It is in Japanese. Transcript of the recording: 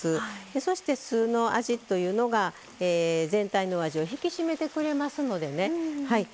そして、お酢の味というのは全体のお味を引き締めてくれますのでね。